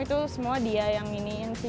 itu semua dia yang iniin sih